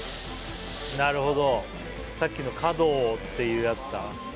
なるほどさっきの角をっていうやつだ